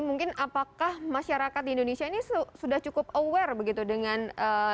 mungkin apakah masyarakat di indonesia ini sudah cukup aware begitu dengan